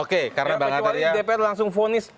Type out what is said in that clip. oke karena bang artirah